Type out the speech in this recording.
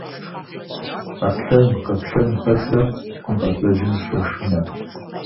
Аслъэн-къаплъэн пэтрэ хъумпӏэцӏэджым щощынэ.